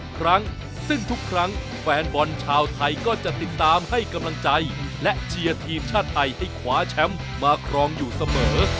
ครั้งซึ่งทุกครั้งแฟนบอลชาวไทยก็จะติดตามให้กำลังใจและเชียร์ทีมชาติไทยให้คว้าแชมป์มาครองอยู่เสมอ